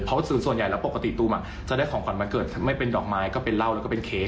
เพราะส่วนใหญ่แล้วปกติตูมจะได้ของขวัญวันเกิดไม่เป็นดอกไม้ก็เป็นเหล้าแล้วก็เป็นเค้ก